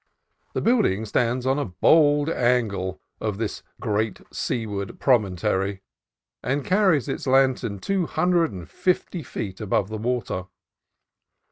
The building stands on a bold angle of this great seaward promontory, and carries its lantern two hundred and fifty feet above the water.